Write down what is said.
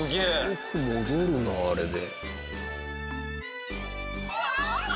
よく戻るなあれで。